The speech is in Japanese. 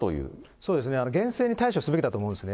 そうですね、厳正に対処すべきだと思うんですね。